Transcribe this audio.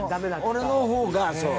俺のほうがそう。